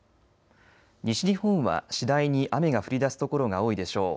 西日本は次第に雨が降り出す所が多いでしょう。